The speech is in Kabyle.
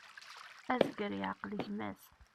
Azger yeεqel gma-s.